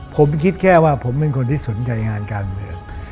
ผมคิดแค่ว่าผมเป็นคนที่สนใจงานการเมือง